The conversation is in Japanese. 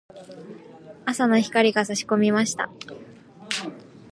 朝の光が差し込みました。